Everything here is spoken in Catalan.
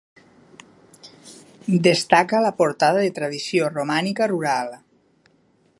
Destaca la Portada de tradició romànica rural.